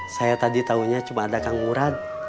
saya tadi taunya cuma ada kang murad